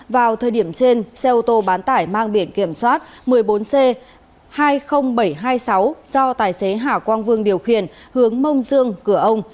vào thời điểm trên xe ô tô bán tải mang biển kiểm soát một mươi bốn c hai mươi nghìn bảy trăm hai mươi sáu do tài xế hà quang vương điều khiển hướng mông dương cửa ông